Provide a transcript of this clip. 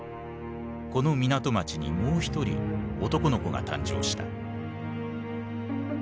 この港町にもう一人男の子が誕生した。